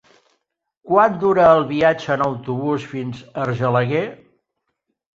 Quant dura el viatge en autobús fins a Argelaguer?